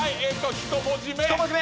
１文字目「あ」。